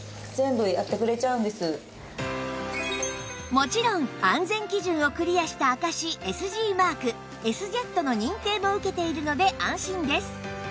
もちろん安全基準をクリアした証 ＳＧ マーク Ｓ−ＪＥＴ の認定も受けているので安心です